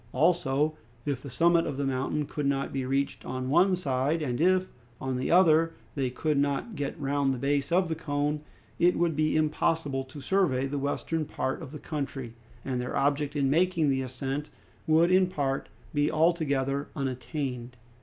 Also, if the summit of the mountain could not be reached on one side, and if, on the other, they could not get round the base of the cone, it would be impossible to survey the western part of the country, and their object in making the ascent would in part be altogether unattained.